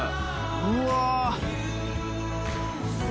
うわ！